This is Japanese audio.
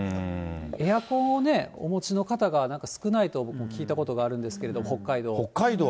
エアコンをね、お持ちの方が少ないとも聞いたことあるんですけど、北海道。